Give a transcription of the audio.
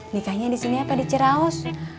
nikahnya di sini apa di ciraos